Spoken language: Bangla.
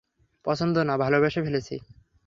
পছন্দ না, ভালোবেসে ফেলেছি।